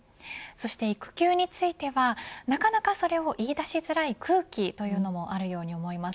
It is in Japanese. そして、育休についてはなかなかそれを言い出しづらい空気というのもあるように思います。